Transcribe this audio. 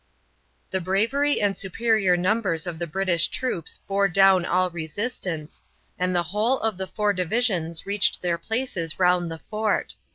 The bravery and superior numbers of the British troops bore down all resistance, and the whole of the four divisions reached their places round the fort.